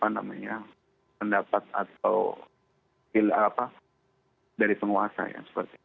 jadi kita harus mencari pendapat atau feel dari penguasa ya